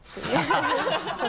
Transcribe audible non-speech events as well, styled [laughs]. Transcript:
ハハハ [laughs]